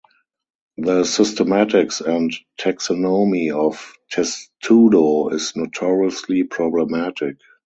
The systematics and taxonomy of "Testudo" is notoriously problematic.